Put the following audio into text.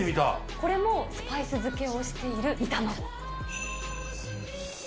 これもスパイス漬けをしている煮卵。